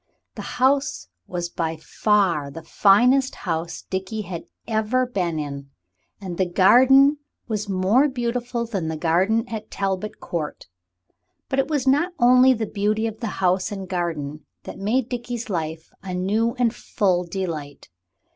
The house was by far the finest house Dickie had ever been in, and the garden was more beautiful even than the garden at Talbot Court. But it was not only the beauty of the house and garden that made Dickie's life a new and full delight.